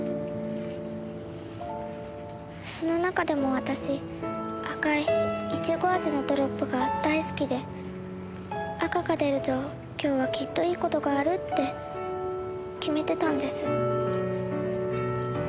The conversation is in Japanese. その中でも私赤いイチゴ味のドロップが大好きで赤が出ると今日はきっといい事があるって決めてたんです。